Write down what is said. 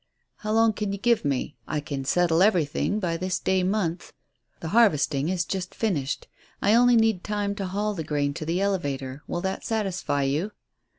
"How long can you give me? I can settle everything by this day month. The harvesting is just finished. I only need time to haul the grain to the elevator. Will that satisfy you?"